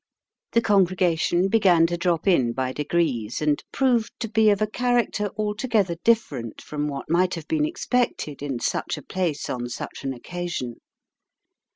The congregation began to drop in by degrees, and proved to be of a character altogether different from what might have been expected in such a place on such an occasion.